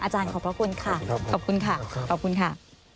ขอบพระคุณค่ะขอบคุณค่ะขอบคุณค่ะ